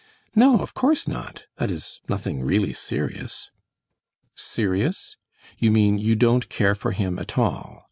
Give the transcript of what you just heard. "No, of course not that is, nothing really serious." "Serious? You mean you don't care for him at all?"